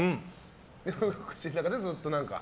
口の中でずっと何か。